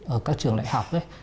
ở các trường đại học